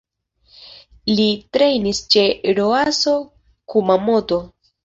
Li trejnis ĉe Roasso Kumamoto.